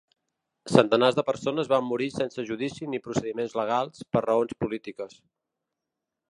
Centenars de persones van morir sense judici ni procediments legals, per raons polítiques.